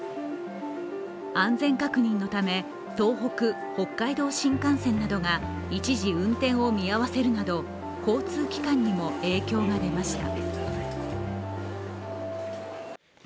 安全確認のため、東北・北海道新幹線などが一時運転を見合わせるなど交通機関にも影響が出ました。